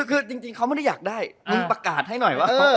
คือจริงเขาไม่ได้อยากได้มึงประกาศให้หน่อยว่า